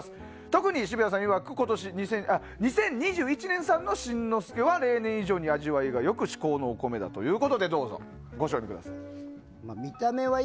特に澁谷さんいわく２０２１年産の新之助は例年以上に味わいが良く至高のお米だということでどうぞご賞味ください。